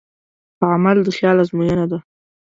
عمل د خیال ازموینه ده.